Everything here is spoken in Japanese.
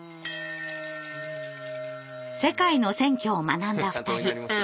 世界の選挙を学んだ２人。